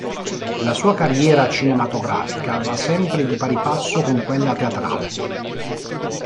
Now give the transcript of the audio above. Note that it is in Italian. La sua carriera cinematografica va sempre di pari passo con quella teatrale.